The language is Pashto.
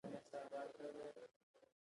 د دندې د ترسره کولو لپاره پرسونل تشویق کړئ.